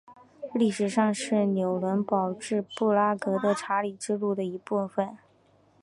历史上是纽伦堡至布拉格的查理之路的一部份。